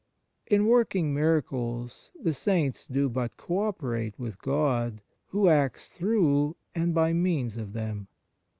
In working miracles the Saints do but co operate with God, who acts through and by means of them.